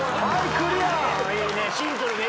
クリア。